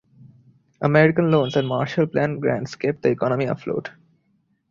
American loans and Marshall Plan grants kept the economy afloat.